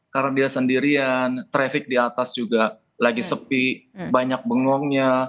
karena dia sendirian traffic di atas juga lagi sepi banyak bengongnya